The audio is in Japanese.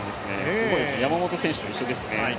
すごいですね、山本選手と一緒ですね。